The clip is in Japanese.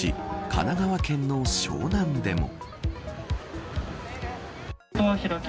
神奈川県の湘南でも。